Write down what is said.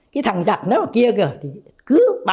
cái thằng giặc nó ở kia kìa cứ bắn